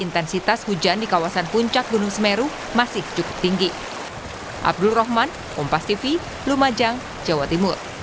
pas hujan di kawasan puncak gunung semeru masih cukup tinggi